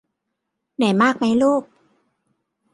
เหนื่อยมากไหมลูก